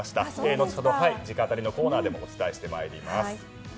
のちほど直アタリのコーナーでもお伝えしてまいります。